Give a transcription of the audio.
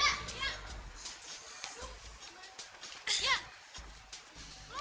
ah bawa kamu cepetan sana